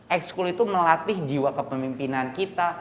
ex school itu melatih jiwa kepemimpinan kita